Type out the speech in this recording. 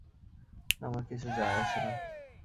আমার কিছু যায় আসে না।